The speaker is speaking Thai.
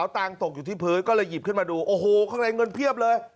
ตังค์ตกอยู่ที่พื้นก็เลยหยิบขึ้นมาดูโอ้โหข้างในเงินเพียบเลย